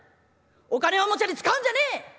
お金をおもちゃに使うんじゃねえ！